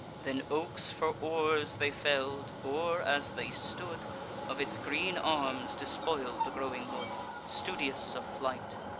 Then oaks for oars they fell'd; or, as they stood, Of its green arms despoil'd the growing wood, Studious of flight.